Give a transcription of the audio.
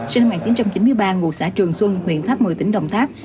sinh năm một nghìn chín trăm chín mươi ba ngụ xã trường xuân huyện tháp một mươi tỉnh đồng tháp